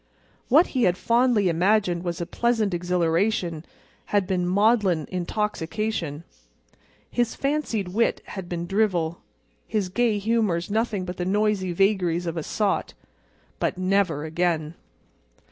What he had fondly imagined was a pleasant exhilaration had been maudlin intoxication. His fancied wit had been drivel; his gay humors nothing but the noisy vagaries of a sot. But, never again!